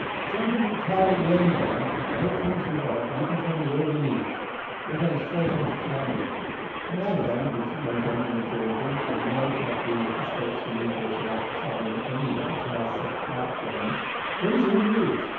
"Jump into the car at the end, Dan; I will come to you there, and you can tell me all the news. We are going straight on to Columbia. Now, Dan," Vincent went on when he joined him for in no part of the United States were negroes allowed to travel in any but the cars set apart for them "what is your news?